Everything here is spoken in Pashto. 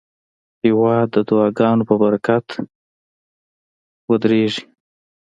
هېواد د دعاګانو په برکت ودریږي.